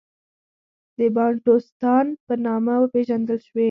د بانټوستان په نامه وپېژندل شوې.